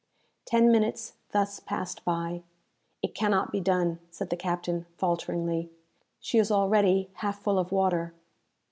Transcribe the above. Ten minutes thus passed by. "It cannot be done," said the captain, falteringly; "she is already half full of water."